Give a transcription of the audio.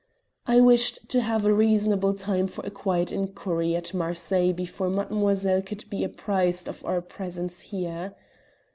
I wished to have a reasonable time for quiet inquiry at Marseilles before mademoiselle could be apprised of our presence here.